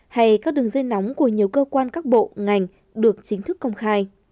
hay các đường dây nóng của nhiều cơ quan các bộ ngành được chính thức công khai